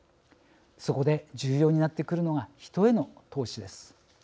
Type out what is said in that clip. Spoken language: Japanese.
そこで重要になってくるのが人への投資です。